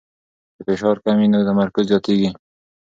که فشار کم وي نو تمرکز زیاتېږي.